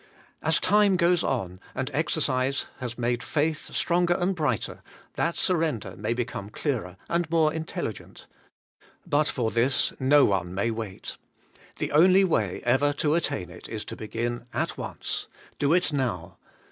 As time goes on, and exercise has made faith stronger and brighter, that surrender may be come clearer and more intelligent. But for this no one may wait. The only way ever to attain it is to begin at once. Do it now.